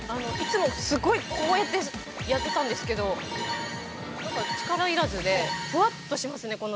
いつもすごいこうやって、やってたんですけれども、なんか力いらずでふわっとしますね。